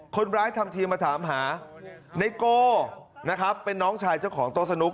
ทำทีมาถามหาไนโกนะครับเป็นน้องชายเจ้าของโต๊ะสนุก